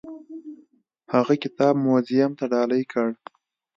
هغه کتاب موزیم ته ډالۍ کړ.